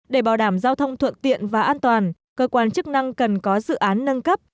để bảo đảm giao thông thuận tiện và an toàn cơ quan chức năng cần có dự án nâng cấp